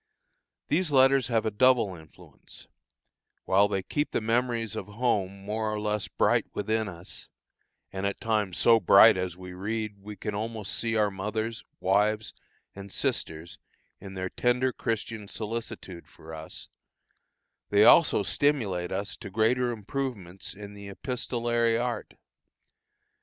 These letters have a double influence; while they keep the memories of home more or less bright within us, and at times so bright that as we read we can almost see our mothers, wives, and sisters in their tender Christian solicitude for us, they also stimulate us to greater improvements in the epistolary art.